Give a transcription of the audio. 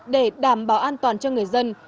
để đảm bảo an toàn cho người dân